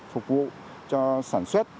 phục vụ cho sản xuất